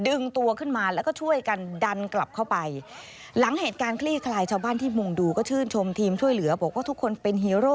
ดึงตัวขึ้นมาแล้วก็ช่วยกันดันกลับเข้าไปหลังเหตุการณ์คลี่คลายชาวบ้านที่มุงดูก็ชื่นชมทีมช่วยเหลือบอกว่าทุกคนเป็นฮีโร่